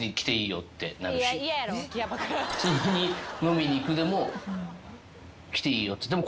普通に飲みに行くでも来ていいよっつって。